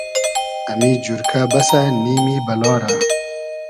امی جورکۂ بئسۂ نیمی بئلا رۂ